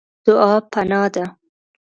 دعا پناه ده.